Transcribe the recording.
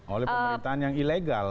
oleh pemerintahan yang ilegal